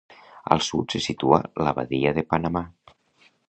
Al sud se situa la Badia de Panamà.